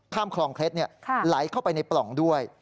คลองเคล็ดไหลเข้าไปในปล่องด้วย